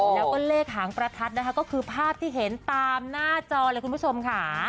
แล้วก็เลขหางประทัดนะคะก็คือภาพที่เห็นตามหน้าจอเลยคุณผู้ชมค่ะ